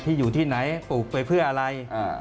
อยู่ที่ไหนปลูกไปเพื่ออะไร